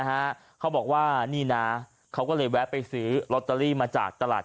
เขาบอกว่านี่นะเขาก็เลยแวะไปซื้อลอตเตอรี่มาจากตลาด